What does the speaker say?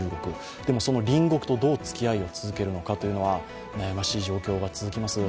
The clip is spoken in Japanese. でも、その隣国とどうつきあいを続けるのかというのは、悩ましい状況が続きます。